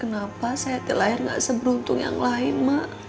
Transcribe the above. kenapa saya tidak seberuntung yang lain mak